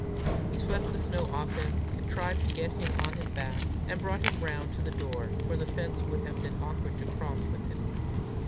He swept the snow off him, contrived to get him on his back, and brought him round to the door, for the fence would have been awkward to cross with him.